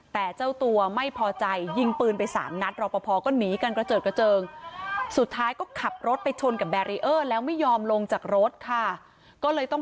แต่เจ้าตัวไม่พอใจยิงปืนไปก็หนี่กันกระเจิดกระเจิง